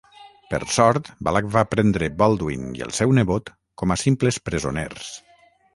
Per sort, Balac va prendre Baldwin i el seu nebot com a simples presoners.